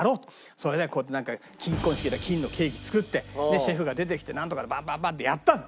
それで金婚式で金のケーキ作ってシェフが出てきてなんとかでバンバンバンってやったの。